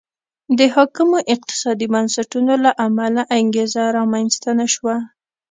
د حاکمو اقتصادي بنسټونو له امله انګېزه رامنځته نه شوه.